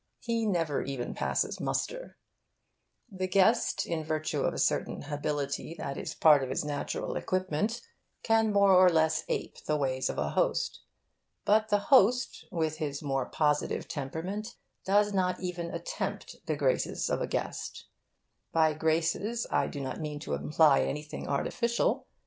He never even passes muster. The guest, in virtue of a certain hability that is part of his natural equipment, can more or less ape the ways of a host. But the host, with his more positive temperament, does not even attempt the graces of a guest. By 'graces' I do not mean to imply anything artificial.